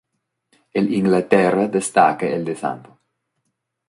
El Inglaterra destaca el de St.